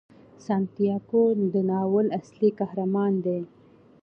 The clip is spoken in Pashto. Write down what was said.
سانتیاګو د ناول اصلي قهرمان دی.